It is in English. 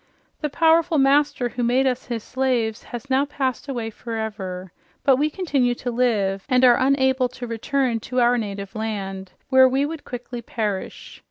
The powerful master who made us his slaves has now passed away forever, but we continue to live, and are unable to return to our native land, where we would quickly perish.